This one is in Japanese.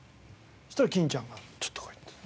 そうしたら欽ちゃんが「ちょっと来い」って。